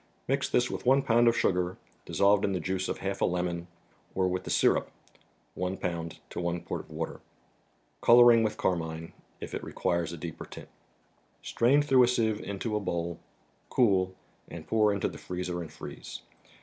Mix this with one pound of sugar, dissolved in the juice of half a lemon, or with the syrup (one pound to onv quart of water), coloring with carmine, if it require a deeper tint. Strain through a sieve into a bowl, cool, and pour into the freezer and freeze.